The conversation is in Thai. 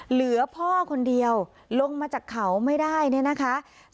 เหลือพ่อคนเดียวลงมาจากเขาไม่ได้เนี่ยนะคะ